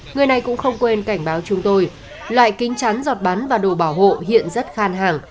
người này cũng không quên cảnh báo chúng tôi loại kính chắn giọt bắn và đồ bảo hộ hiện rất khan hàng